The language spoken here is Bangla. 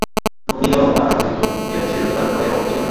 ননিও তাহা বুঝিত, এবং সেজন্য তার ভয়ের অন্ত ছিল না।